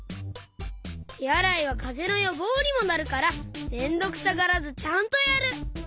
てあらいはかぜのよぼうにもなるからめんどくさがらずちゃんとやる！